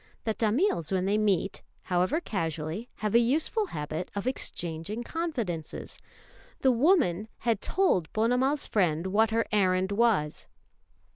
The Tamils when they meet, however casually, have a useful habit of exchanging confidences. The woman had told Ponnamal's friend what her errand was.